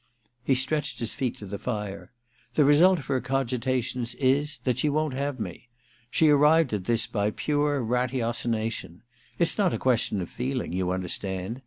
He stretched his feet to the fire. *The result of her cogitations is that she won't have me. She arrived at this by pure ratiocination — it's not a question of feeling, you understand.